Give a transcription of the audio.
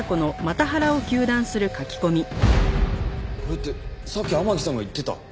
これってさっき天樹さんが言ってた。